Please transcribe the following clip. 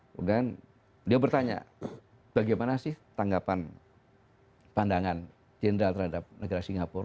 kemudian beliau bertanya bagaimana sih tanggapan pandangan jenderal terhadap negara singapura